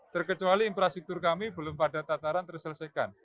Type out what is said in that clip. terkecuali infrastruktur kami belum pada tataran terselesaikan